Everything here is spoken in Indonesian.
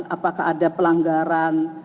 apakah ada pelanggaran